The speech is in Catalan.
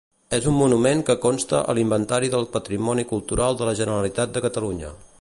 És un monument que consta a l’inventari del patrimoni cultural de la Generalitat de Catalunya.